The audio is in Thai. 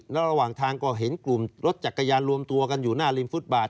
ระหว่างทางก็เห็นกลุ่มรถจักรยานรวมตัวกันอยู่หน้าริมฟุตบาท